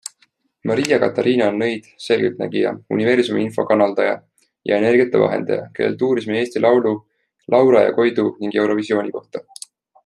Maria Katariina on nõid, selgeltnägija, universumi info kanaldaja ja energiate vahendaja, kellelt uurisime Eesti laulu, Laura ja Koidu ning Eurovisiooni kohta.